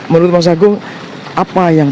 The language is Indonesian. menurut mas agung apa yang